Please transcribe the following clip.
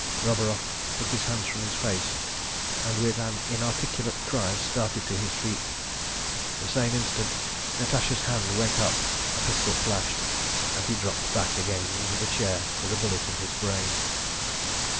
Roburoff took his hands from his face, and with an inarticulate cry started to his feet. The same instant Natasha's hand went up, her pistol flashed, and he dropped back again into his chair with a bullet in his brain.